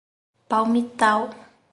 Palmital